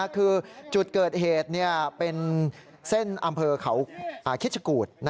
คือจุดเกิดเหตุเป็นเส้นอำเภอเขาคิชกูธ